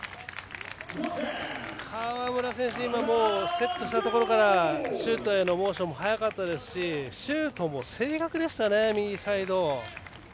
川村選手、セットしたところからシュートへのモーションも速かったですしシュートも正確でしたね右サイド。